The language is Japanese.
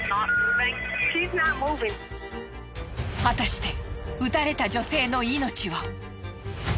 果たして撃たれた女性の命は。